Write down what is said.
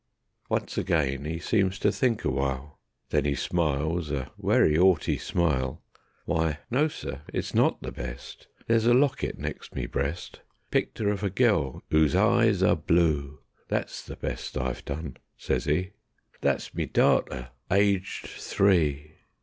Once again 'e seems ter think awhile. Then 'e smiles a werry 'aughty smile: "Why, no, sir, it's not the best; There's a locket next me breast, Picter of a gel 'oo's eyes are blue. That's the best I've done," says 'e. "That's me darter, aged three.